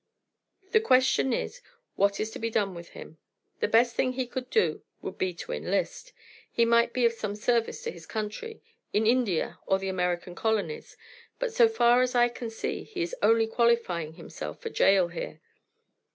The question is what is to be done with him? The best thing he could do would be to enlist. He might be of some service to his country, in India or the American Colonies, but so far as I can see he is only qualifying himself for a jail here."